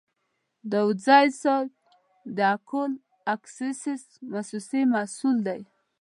داودزی صیب د اکول اکسیس موسسې مسوول دی.